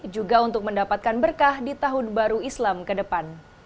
juga untuk mendapatkan berkah di tahun baru islam ke depan